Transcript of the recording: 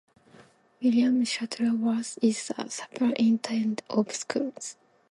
William Shuttleworth is the Superintendent of Schools.